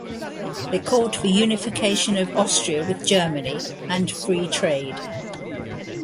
They called for unification of Austria with Germany and free trade.